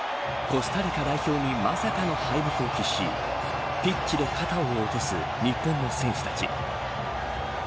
コスタリカ代表にまさかの敗北を喫しピッチで肩を落とす日本の選手たち。